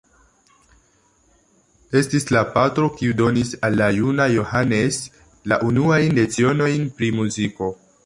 Estis la patro, kiu donis al la juna Johannes la unuajn lecionojn pri muziko.